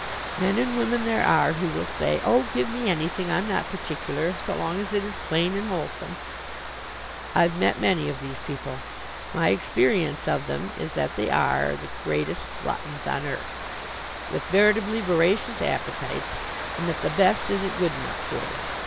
Men and women there are who will say: "Oh, give me anything. I'm not particular so long as it is plain and wholesome." I've met many of these people. My experience of them is that they are the greatest gluttons on earth, with veritably voracious appetites, and that the best isn't good enough for them.